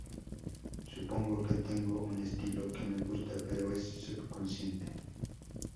Supongo que tengo un estilo que me gusta, pero es subconsciente.